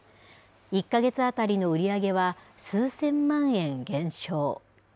１か月当たりの売り上げは、数千万円減少。